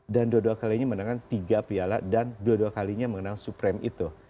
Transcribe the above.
dan dua dua kalinya menangkan tiga piala dan dua dua kalinya menang supreme itu